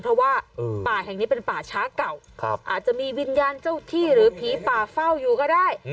เพราะว่าป่าแห่งนี้เป็นป่าช้าเก่าอาจจะมีวิญญาณเจ้าที่หรือผีป่าเฝ้าอยู่ก็ได้